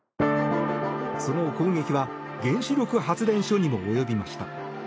その攻撃は原子力発電所にも及びました。